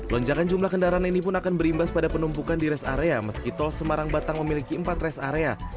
lonjakan jumlah kendaraan ini pun akan berimbas pada penumpukan di rest area meski tol semarang batang memiliki empat rest area